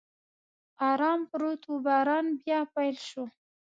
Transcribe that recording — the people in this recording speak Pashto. ارام پروت و، باران بیا پیل شو.